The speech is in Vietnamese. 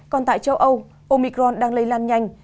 còn tại châu âu omicron đang lây lan nhanh